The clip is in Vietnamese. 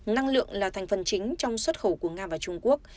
năng lượng là thành phần chính trong xuất khẩu của nga và trung quốc